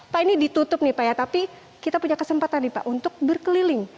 pak ini ditutup nih pak ya tapi kita punya kesempatan nih pak untuk berkeliling